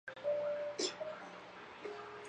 对不起啊记不起来了